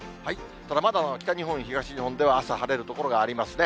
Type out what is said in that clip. まだ北日本、東日本では、朝晴れる所がありますね。